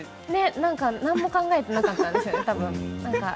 何も考えていなかったんですよね。